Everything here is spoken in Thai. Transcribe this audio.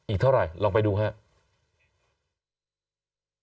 เบื้องต้น๑๕๐๐๐และยังต้องมีค่าสับประโลยีอีกนะครับ